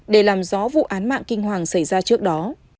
để làm rõ vụ án mạng kinh hoàng xảy ra trước đó